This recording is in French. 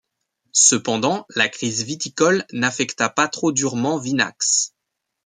Cependant la crise viticole n'affecta pas trop durement Vinax.